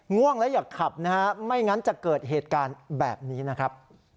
ง่วงแล้วอย่าขับนะฮะไม่งั้นจะเกิดเหตุการณ์แบบนี้นะครับ